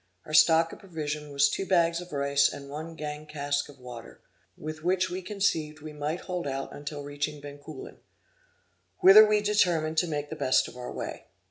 Our stock of provision was two bags of rice and one gang cask of water, with which we conceived we might hold out until reaching Bencoolen, whither we determined to make the best of our way.